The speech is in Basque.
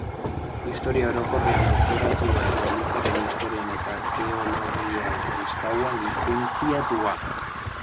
Historia Orokorrean doktoratua eta Elizaren Historian eta Arkeologia Kristauan lizentziatua.